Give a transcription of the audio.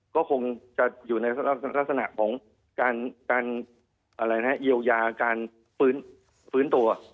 ก็คงจะอยู่ในลักษณะของการเยียวยาการฟื้นตัว